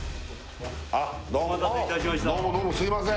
お待たせいたしました